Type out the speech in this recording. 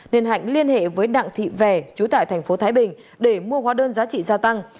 nên hạnh liên hệ với đặng thị vẻ trú tại thành phố thái bình để mua hóa đơn giá trị gia tăng